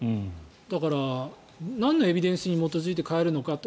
だからなんのエビデンスに基づいて変えるのかと。